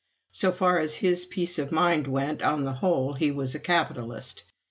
So far as his peace of mind went, on the whole, he was a capitalist.